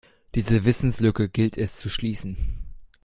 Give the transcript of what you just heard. Diese Wissenslücke gilt es zu schließen.